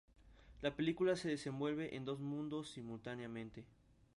La película se desenvuelve en dos mundos simultáneamente.